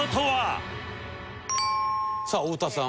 さあ太田さん